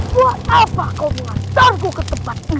buat apa kau mengantarku ke tempat